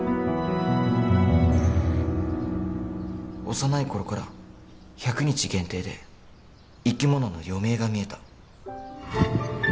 幼い頃から１００日限定で生き物の余命が見えた